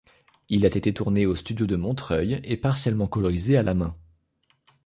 Il a été tourné aux studios de Montreuil, et partiellement colorisé à la main.